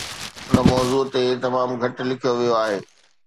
ان موضوع تي تمام گهٽ لکيو ويو آهي